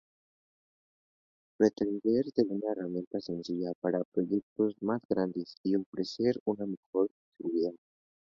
Pretende ser una herramienta sencilla para proyectos más grandes y ofrecer una mejor seguridad.